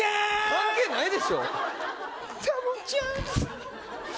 関係ないでしょう。